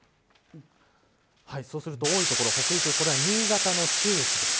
そうすると、多い所北陸、これは新潟の中越です。